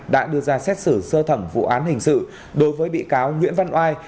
đã đưa ra xét xử sơ thẩm vụ án hình sự đối với bị cáo nguyễn văn oai